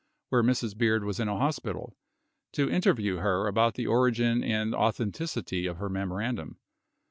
where Mrs. Beard was in a hospital, to interview her about the origin and authenticity of her memorandum